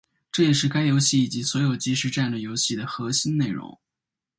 这也是该游戏以及所有即时战略游戏的核心内容。